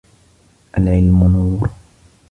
العلم نور